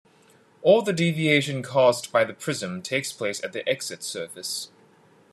All the deviation caused by the prism takes place at the exit surface.